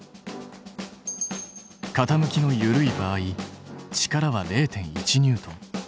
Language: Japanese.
傾きの緩い場合力は０．１ニュートン。